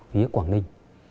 phía quảng ninh